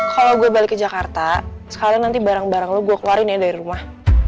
kalau gue balik ke jakarta sekarang nanti barang barang lo gue keluarin ya dari rumah